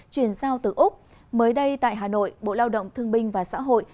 chuyển giao từ úc mới đây tại hà nội bộ lao động thương binh và xã hội